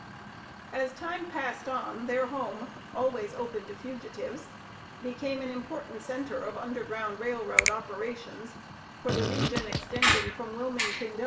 As time passed on, their home, always open to fugitives, became an important centre of Underground Rail Road operations for the region extending from Wilmington, Del.